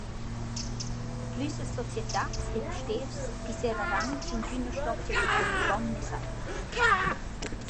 Plüssas societats ed usters pisseraran ch’ingün nu stopcha patir ne fom ne said.